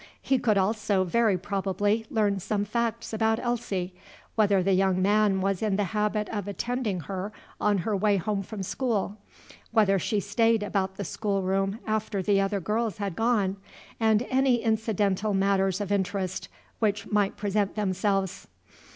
He could also very probably learn some facts about Elsie, whether the young man was in the habit of attending her on her way home from school; whether she stayed about the schoolroom after the other girls had gone; and any incidental matters of interest which might present themselves.